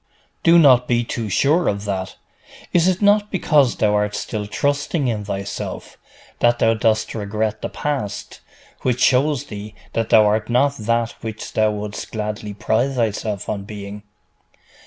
'Do not be too sure of that. Is it not because thou art still trusting in thyself, that thou dost regret the past, which shows thee that thou art not that which thou wouldst gladly pride thyself on being?